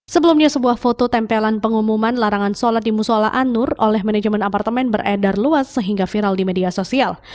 sebelumnya sebuah foto tempelan pengumuman larangan sholat di musola anur oleh manajemen apartemen beredar luas sehingga viral di media sosial